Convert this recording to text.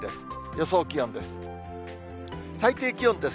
予想気温です。